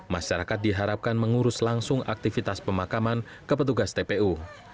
masyarakat diharapkan mengurus langsung aktivitas pemakaman ke petugas tpu